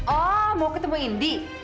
oh mau ketemu indi